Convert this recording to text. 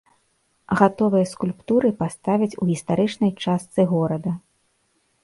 Гатовыя скульптуры паставяць у гістарычнай частцы горада.